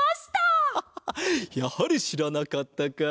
アハハやはりしらなかったか。